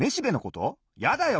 やだよ